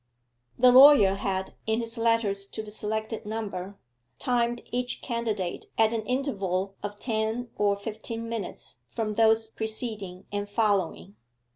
The lawyer had, in his letters to the selected number, timed each candidate at an interval of ten or fifteen minutes from those preceding and following.